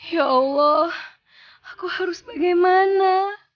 ya allah aku harus bagaimana